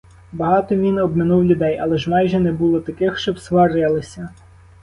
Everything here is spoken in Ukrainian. Багато він обминув людей, але ж майже не було таких, щоб сварилися.